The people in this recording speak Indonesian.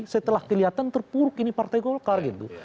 setelah kelihatan terpuruk ini partai golkar gitu